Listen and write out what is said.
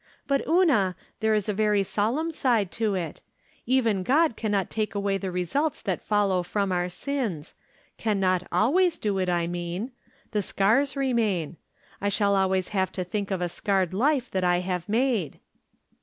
But, Una, there is a very solemn side to it. Even God can not take away the results that follow from our sins — can not always do it, I mean. The scars remain. I shall always have to think of a scarred life that I have made."